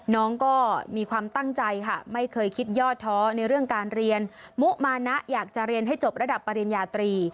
น้องก็มีความตั้งใจค่ะไม่เคยคิดยอดท้อในเรื่องการเรียนมุมานะอยากจะเรียนให้จบระดับปริญญาตรี